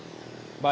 baik tapi secara